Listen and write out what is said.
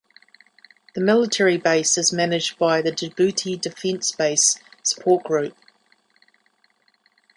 The military base is managed by the Djibouti Defense Base Support Group.